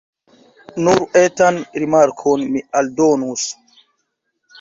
Nur etan rimarkon mi aldonus.